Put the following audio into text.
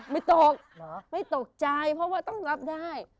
ไม่ตกไม่ตกใจเพราะว่าต้องรับได้